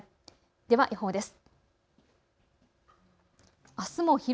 では予報です。